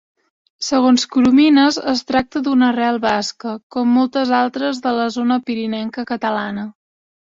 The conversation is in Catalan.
Segons Coromines, es tracta d'una arrel basca, com moltes altres de la zona pirinenca catalana.